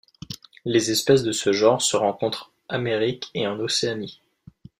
Les espèces de ce genre se rencontrent Amérique et en Océanie.